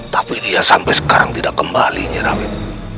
tapi dia sampai sekarang tidak kembali nyi rawit